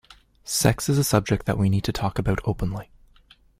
Sex is a subject that we need to talk about openly.